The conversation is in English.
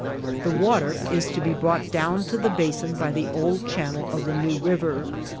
The water is to be brought down to the basin by the old channel of the New Eiver.